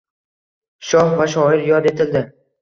Shoh va shoir yod etildi